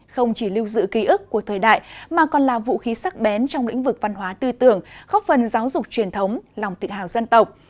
không chỉ lưu giữ ký ức của thời đại mà còn là vũ khí sắc bén trong lĩnh vực văn hóa tư tưởng khóc phần giáo dục truyền thống lòng tự hào dân tộc